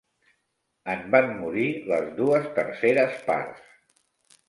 En van morir les dues terceres parts.